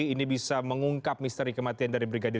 ini bisa mengungkap misteri kematian dari brigadir